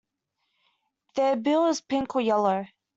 Their bill is pink or yellow.